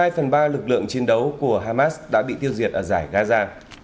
hai phần ba lực lượng chiến đấu của hamas đã bị tiêu diệt ở giải gaza